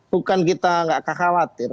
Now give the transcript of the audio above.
bukan kita gak khawatir